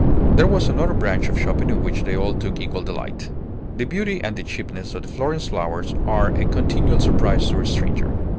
There was another branch of shopping in which they all took equal delight. The beauty and the cheapness of the Florence flowers are a continual surprise to a stranger.